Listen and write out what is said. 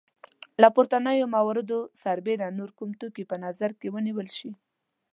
له پورتنیو موادو سربیره نور کوم توکي په نظر کې ونیول شي؟